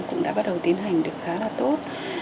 cũng đã bắt đầu tiến hành được khá là tốt